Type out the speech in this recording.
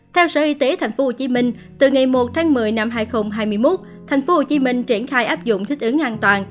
theo sở y tế tp hcm từ ngày một tháng một mươi năm hai nghìn hai mươi một tp hcm triển khai áp dụng thích ứng an toàn